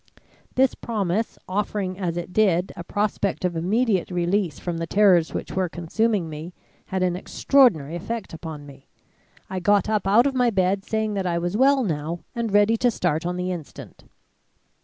This promise, offering as it did, a prospect of immediate release from the terrors which were consuming me, had an extraordinary effect upon me. I got up out of my bed saying that I was well now and ready to start on the instant.